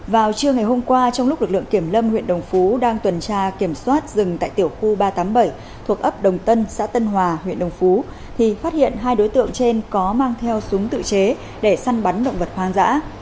vào trưa ngày hôm qua trong lúc lực lượng kiểm lâm huyện đồng phú đang tuần tra kiểm soát rừng tại tiểu khu ba trăm tám mươi bảy thuộc ấp đồng tân xã tân hòa huyện đồng phú thì phát hiện hai đối tượng trên có mang theo súng tự chế để săn bắn động vật hoang dã